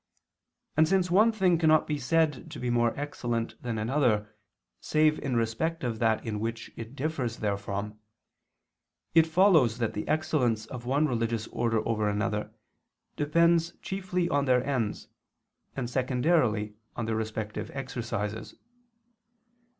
And since one thing cannot be said to be more excellent than another save in respect of that in which it differs therefrom, it follows that the excellence of one religious order over another depends chiefly on their ends, and secondarily on their respective exercises.